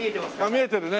見えてるね。